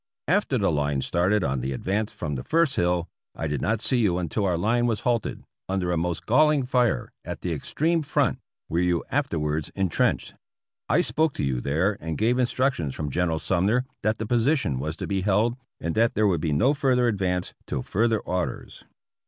After the line started on the advance from the first hill, I did not see you until our line was halted, under a most galling fire, at the extreme front, where you afterwards entrenched. I spoke to you there and gave instructions from General Sumner that the posi tion was to be held and that there would be no further advance till further orders.